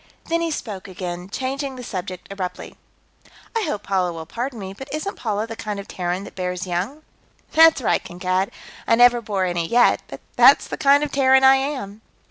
Then he spoke again, changing the subject abruptly. "I hope Paula will pardon me, but isn't Paula the kind of Terran that bears young?" "That's right, Kankad. I never bore any, yet, but that's the kind of Terran I am."